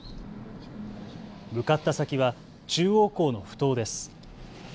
向かった先は中央港のふ頭です。